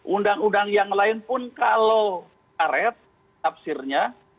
undang undang yang lain pun kalau karet tafsirnya